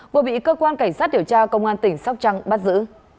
vừa bị cơ quan cảnh sát điều tra công an tỉnh sóc trăng bắt giữ